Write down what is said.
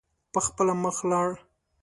په خپله مخ لاړ.